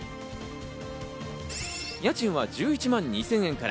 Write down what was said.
家賃は１１万２０００円から。